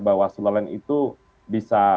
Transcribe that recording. mbak waslu lain itu bisa